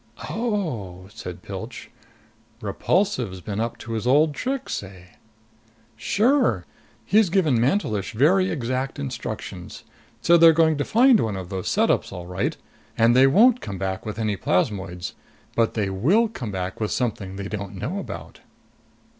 "Oh!" said Pilch. "Repulsive's been up to his old tricks, eh?" "Sure. He's given Mantelish very exact instructions. So they're going to find one of those setups, all right. And they won't come back with any plasmoids. But they will come back with something they don't know about."